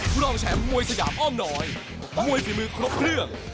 ครองแชมป์มวยสยามอ้อมน้อยมวยฝีมือครบเครื่อง